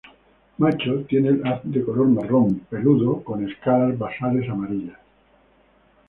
Macho: Tiene el haz de color marrón, peludo con escalas basales amarillas.